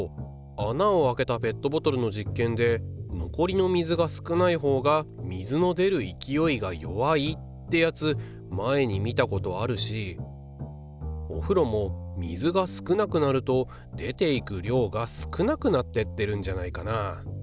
穴をあけたペットボトルの実験で残りの水が少ないほうが水の出る勢いが弱いってやつ前に見たことあるしおふろも水が少なくなると出ていく量が少なくなってってるんじゃないかなあ。